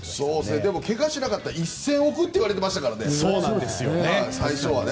でも、けがしなかったら１０００億といわれてましたからね、最初は。